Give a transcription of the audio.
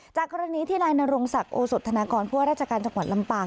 จากกรณีที่นายนรงศักดิ์โอสธนากรผู้ว่าราชการจังหวัดลำปาง